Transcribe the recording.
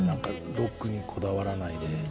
ロックにこだわらないで。